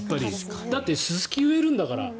だってススキを植えるんだから。